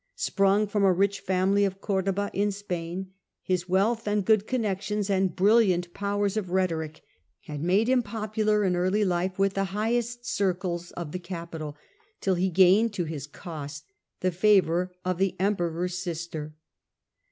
Sprung from a rich and Seneca, family of Corduba, in Spain, his wealth and good connexions and brilliant powers of Nero, rhetoric had made him popular in early life with the highest circles of the capital, till he gained to his cost the favour of the Emperor^s sister.